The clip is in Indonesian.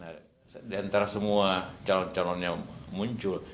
di antara semua calon calon yang muncul